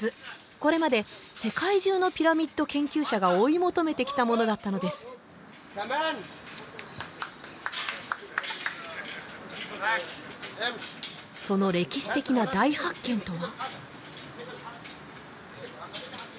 これまで世界中のピラミッド研究者が追い求めてきたものだったのですその歴史的な大発見とは？